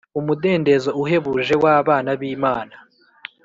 umudendezo uhebuje w abana b Imana